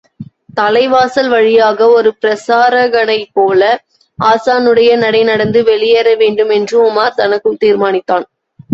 தலைவாசல் வழியாக, ஒரு பிரசாரகனைப்போல ஹாஸானுடைய நடை நடந்து வெளியேறவேண்டும் என்று உமார் தனக்குள் தீர்மானித்தான்.